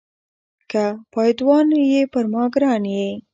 که پایدوان یې پر ما ګران یې.